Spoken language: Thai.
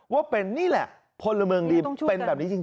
ว่าเป็นนี่แหละพลเมืองดีเป็นแบบนี้จริง